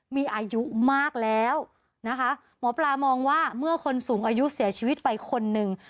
มีอายุมากแล้วนะคะหมอปลามองว่าเมื่อคนสูงอายุเสียชีวิตไปคนหนึ่ง